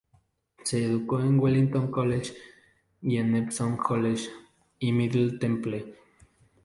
Se educó en Wellington College y en Epsom College, y Middle Temple.